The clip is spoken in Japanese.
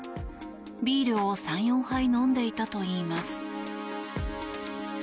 ビールを３４杯飲んでいたといいます。